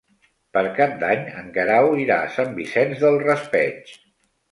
Per Cap d'Any en Guerau irà a Sant Vicent del Raspeig.